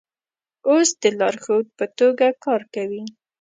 اوس د لارښود په توګه کار کوي.